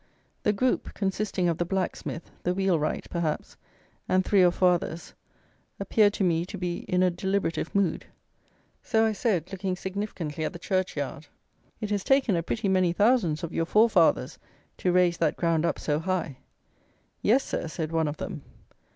The group, consisting of the blacksmith, the wheelwright, perhaps, and three or four others, appeared to me to be in a deliberative mood. So I said, looking significantly at the church yard, "It has taken a pretty many thousands of your fore fathers to raise that ground up so high." "Yes, Sir," said one of them.